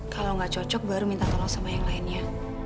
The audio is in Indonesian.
kalau nggak cocok baru minta tolong sama yang lainnya